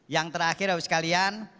yang terakhir bapak sekalian